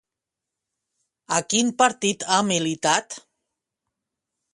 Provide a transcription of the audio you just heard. A quin partit ha militat?